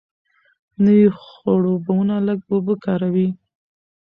نوې خړوبونه لږه اوبه کاروي.